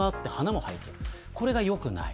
これが良くない。